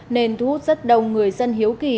nên thu hút rất đông người dân hiếu kỳ